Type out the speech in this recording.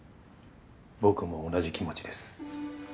僕も同じ気持ちです。